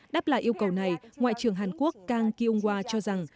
đáp lại yêu cầu này ngoại trưởng hàn quốc kang ki ung hwa cho rằng